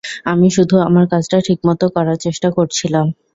আমি শুধু আমার কাজটা ঠিকমত করার চেষ্টা করছিলাম!